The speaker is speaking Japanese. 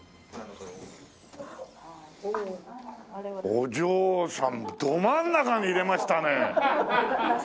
お嬢さんど真ん中に入れましたね。